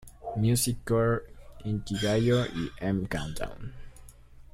Music Core", "Inkigayo", y "M Countdown".